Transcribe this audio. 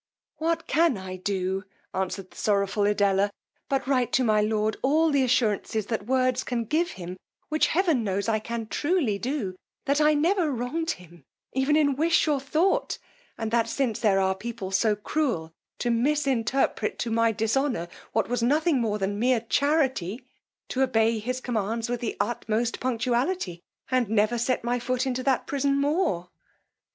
What can I do! answered the sorrowful Edella, but write to my lord all the assurances that words, can give him, which heaven knows I can truly do, that I never wronged him even in wish or thought; and that since there are people so cruel to misinterpret to my dishonour, what was nothing but mere charity, to obey his commands with the utmost punctuality, and never set my foot into that prison more?